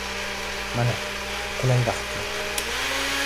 Mana, qulay vaqt keldi!